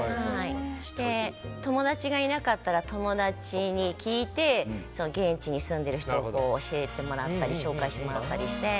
友達がいなかったら友達に聞いて現地に住んでいる人に教えてもらったり紹介してもらったりして。